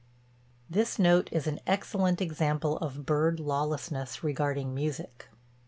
This note is an excellent example of bird lawlessness regarding music.